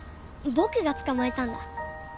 僕が捕まえたんだ。